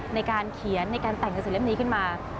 ในการเขียนในการแต่งกระสือเล่มนี้ขึ้นมา